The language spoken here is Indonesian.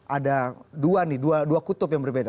ada dua nih dua kutub yang berbeda